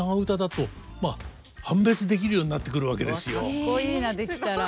かっこいいなできたら。